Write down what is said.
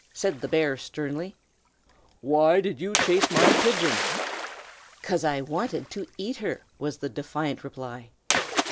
said the bear, sternly. "Why did you chase my pigeon?" "'Cause I wanted to eat her!" was the defiant reply.